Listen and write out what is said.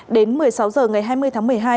đến một mươi sáu h ngày hai mươi tháng một mươi hai